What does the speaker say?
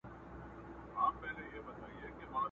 چي وژلي یې بېځایه انسانان وه!